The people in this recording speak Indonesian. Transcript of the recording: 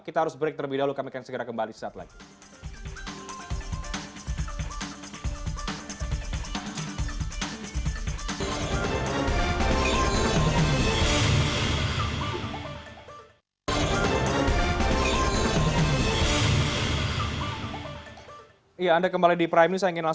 dia bukan pembuat undang undang